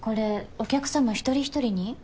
お客様一人一人に？